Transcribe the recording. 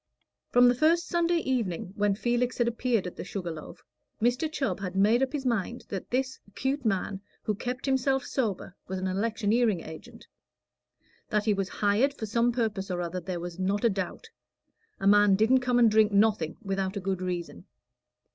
From the first Sunday evening when Felix had appeared at the Sugar Loaf, Mr. Chubb had made up his mind that this 'cute man who kept himself sober was an electioneering agent. That he was hired for some purpose or other there was not a doubt; a man didn't come and drink nothing without a good reason.